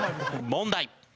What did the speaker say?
問題。